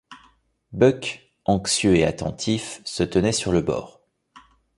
Buck, anxieux et attentif, se tenait sur le bord.